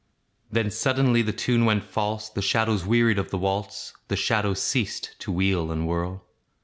Then suddenly the tune went false, The shadows wearied of the waltz, The shadows ceased to wheel and whirl.